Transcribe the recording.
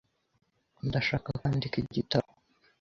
Ndashaka kwandika igitabo .